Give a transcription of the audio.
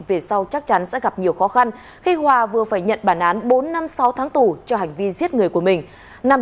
về sau chắc chắn sẽ gặp nhiều khó khăn khi hòa vừa phải nhận bản án bốn năm sáu tháng tù cho hành vi giết người của mình